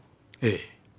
ええ。